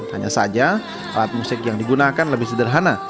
hanya saja alat musik yang digunakan lebih sederhana